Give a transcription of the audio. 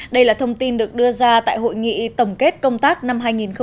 đây là thông tin được đưa ra tại hội nghị tổng kết công tác năm hai nghìn một mươi chín